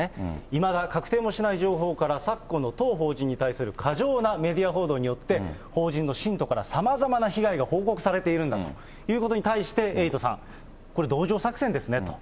いまだ確定もしない情報から、昨今の当法人に対する過剰なメディア報道によって、法人の信徒からさまざまな被害が報告されているんだということに対して、エイトさん、これ、同情作戦ですねと。